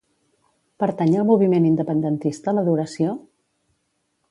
Pertany al moviment independentista l'Adoració?